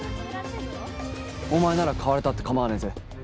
お前なら買われたって構わねえぜ。